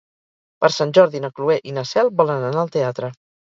Per Sant Jordi na Cloè i na Cel volen anar al teatre.